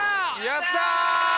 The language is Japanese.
やった！